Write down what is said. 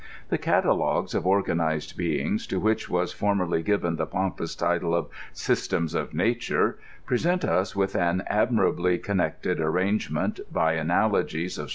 The catalogues of organized beings, to which was for merly given the pompous title of St/stems of Nature^ present us ^^th an admirably connected arrangement by analogies of